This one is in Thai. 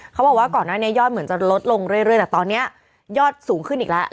เขาบอกว่าก่อนหน้านี้ยอดเหมือนจะลดลงเรื่อยแต่ตอนนี้ยอดสูงขึ้นอีกแล้ว